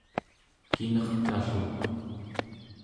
kinertalluk